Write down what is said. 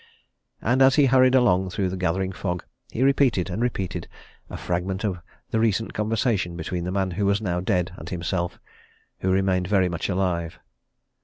And as he hurried along through the gathering fog he repeated and repeated a fragment of the recent conversation between the man who was now dead, and himself who remained very much alive.